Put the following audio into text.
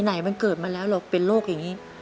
ไหนมันเกิดมาแล้วเราเป็นโรคอย่างนี้